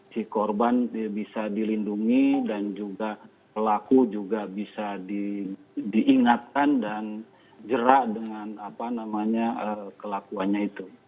si korban bisa dilindungi dan juga pelaku juga bisa diingatkan dan jerak dengan kelakuannya itu